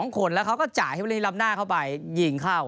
๒คนแล้วเขาก็จ่ายเฮียบรินิลำนาเข้าไปยิงเข้า